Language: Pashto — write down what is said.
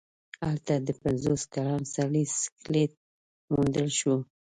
هلته د پنځوس کلن سړي سکلیټ موندل شوی و.